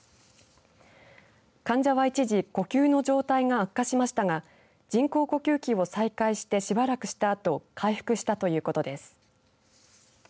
患者は一時呼吸の状態が悪化しましたが人工呼吸器を再開してしばらくしたあと回復したということです。